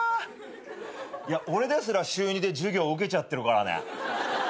俺ですら週２で授業受けちゃってるからね。